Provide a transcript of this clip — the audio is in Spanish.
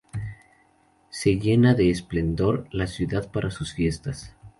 Se llena de esplendor la ciudad para sus fiestas.